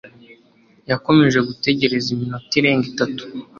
yakomeje gutegereza iminota irenga itatu.